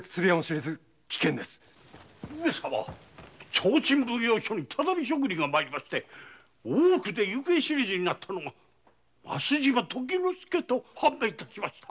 提灯奉行所に畳職人が参りまして大奥で行方知れずになったのが増島時之介と判明しました！